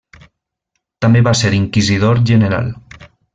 També va ser inquisidor general.